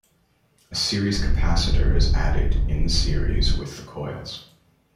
A series capacitor is added in series with the coils.